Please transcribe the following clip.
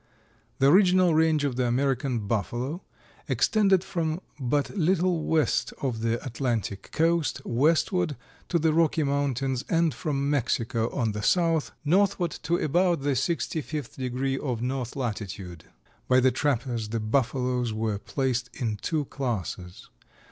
] The original range of the American Buffalo extended from but little west of the Atlantic coast westward to the Rocky Mountains and from Mexico on the south northward to about the sixty fifth degree of north latitude. By the trappers the Buffaloes were placed in two classes.